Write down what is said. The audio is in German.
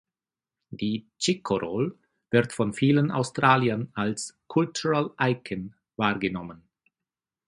Die "Chiko Roll" wird von vielen Australiern als "cultural icon" wahrgenommen.